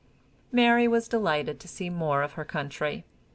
Mary was delighted to see more of her country.